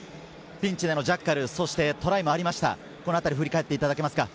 ピンチでのジャッカルとトライもありました。